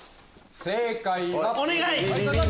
正解は。